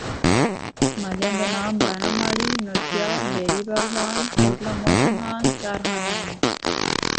محلیاں دے ناں بھانہ ماڑی، نوتھیہ، ڈھیری باغبان، کوٹلہ محسن خان، چارخانہ ہن۔